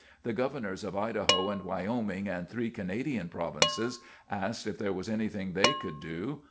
The governors of Idaho and Wyoming and three Canadian provinces asked if there was anything they could do.